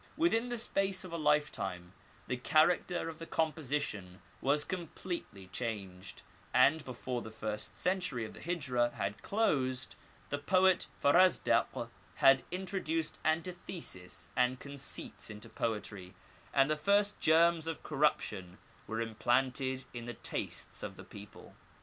Within the space of a lifetime the character of the composition was com pletely changed, and before the first century of the Hijra had closed, the poet Farazdak had introduced antitheses and conceits into poetry, and the first germs of corruption were implanted in the tastes of the people.